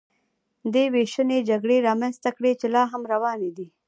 دې وېشنې جګړې رامنځته کړې چې لا هم روانې دي